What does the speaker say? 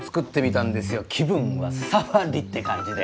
気分はサファリ！って感じで。